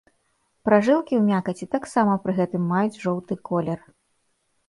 Пражылкі ў мякаці таксама пры гэтым маюць жоўты колер.